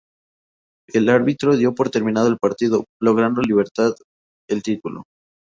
El árbitro dio por terminado el partido, logrando Libertad el título.